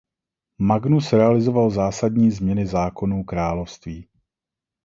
Magnus realizoval zásadní změny zákonů království.